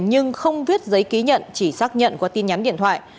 nhưng không viết giấy ký nhận chỉ xác nhận qua tin nhắn điện thoại